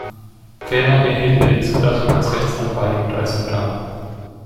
Ferner erhielt er die Zulassung als Rechtsanwalt und als Notar.